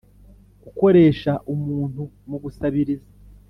gukoresha umuntu mu gusabiriza